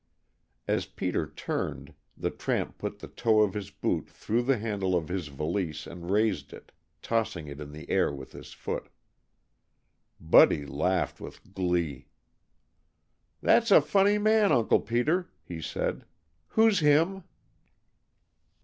As Peter turned, the tramp put the toe of his boot through the handle of his valise and raised it, tossing it in the air with his foot. Buddy laughed with glee. "That's a funny man, Uncle Peter," he said. "Who's him?"